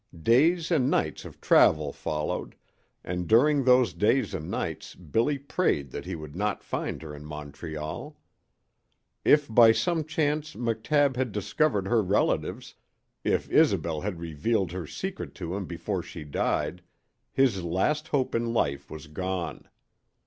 Days and nights of travel followed, and during those days and nights Billy prayed that he would not find her in Montreal. If by some chance McTabb had discovered her relatives, if Isobel had revealed her secret to him before she died, his last hope in life was gone.